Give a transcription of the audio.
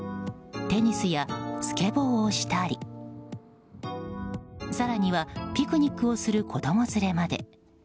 テニスやスケボーをしたり更にはピクニックをする子供連れまで。